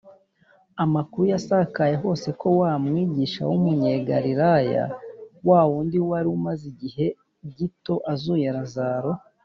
amakuru yasakaye hose ko umwigisha w’umunyegalileya, wa wundi wari umaze igihe gito azuye lazaro,